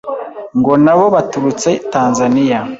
ngo nabo baturutse Tanzania